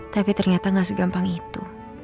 tapi ternyata gak segampang itu